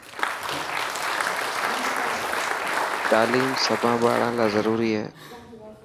تاليم سڀان ٻاران لاءِ ضروري هي.